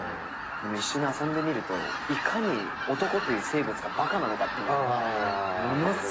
でも一緒に遊んでみるといかに男という生物がバカなのかっていうのがものすごい明確に見える。